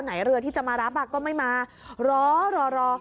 ไหนเรือที่จะมารับอ่ะก็ไม่มารอรอรอ